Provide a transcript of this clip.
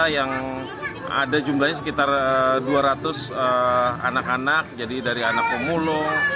yang ada jumlahnya sekitar dua ratus anak anak jadi dari anak pemulung